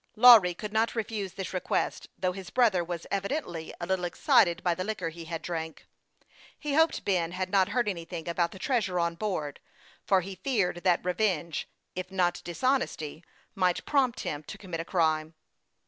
Lawry could not refuse this request, though his brother was evidently a little excited by the liquor he had drank. He hoped Ben had not heard any thing about the treasure on board ; for he feared that revenge, if not dishonesty, might prompt him to com mit a crime.